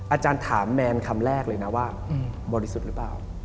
อาจารย์ถามแมนคำแรกเลยนะว่าบริสุทธิ์หรือเปล่า